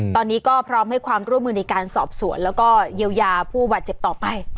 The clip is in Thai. ตอนนี้ก็พร้อมให้ความร่วมมือในการสอบสวนแล้วก็เยียวยาผู้บาดเจ็บต่อไป